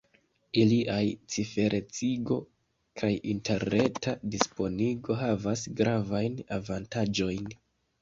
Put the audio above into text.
Iliaj ciferecigo kaj interreta disponigo havas gravajn avantaĝojn.